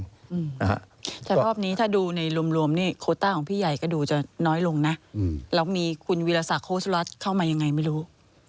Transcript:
ครอบนี้ถ้าดูในรวมโคต้าของพี่ใหญ่ก็ดูจะน้อยลงนะแล้วมีคุณวิลสักโฆษรัฐเข้ามายังไงไม่รู้